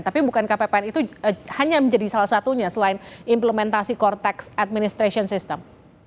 tapi bukan kppn itu hanya menjadi salah satunya selain implementasi cortext administration system